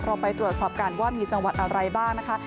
เราไปตรวจสอบกันว่ามีจังหวัดอะไรบ้างนะคะ